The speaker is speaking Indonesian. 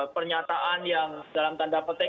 pernyataan yang dalam tanda petik